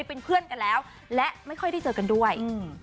เป็นเพื่อนกันแล้วและไม่ค่อยได้เจอกันด้วย